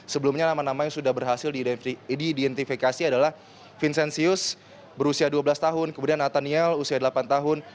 sebelumnya nama nama yang sudah berhasil diidentifikasi adalah vincenzius berusia dua belas tahun kemudian nataniel usia delapan tahun